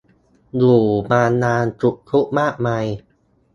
อยู่มานานสุขทุกข์มากมาย